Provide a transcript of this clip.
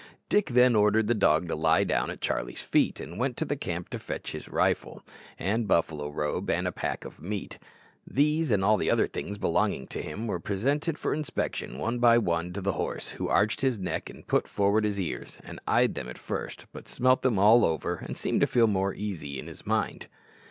Dick then ordered the dog to lie down at Charlie's feet, and went to the camp to fetch his rifle, and buffalo robe, and pack of meat. These and all the other things belonging to him were presented for inspection, one by one, to the horse, who arched his neck, and put forward his ears, and eyed them at first, but smelt them all over, and seemed to feel more easy in his mind.